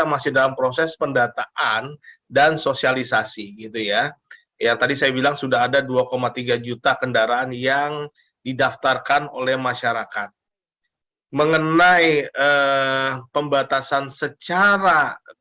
mengenai pembatasan secara